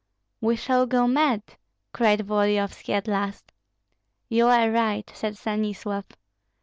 "We shall go mad!" cried Volodyovski at last. "You are right," said Stanislav.